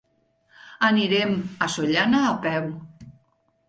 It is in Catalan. Anirem a Sollana a peu.